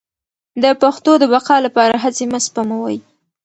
د پښتو د بقا لپاره هڅې مه سپموئ.